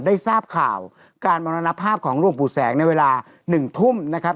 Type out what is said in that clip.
ได้ทราบข่าวการมรณภาพของหลวงปู่แสงในเวลาหนึ่งทุ่มนะครับ